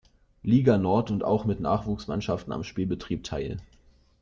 Liga Nord und auch mit Nachwuchsmannschaften am Spielbetrieb teil.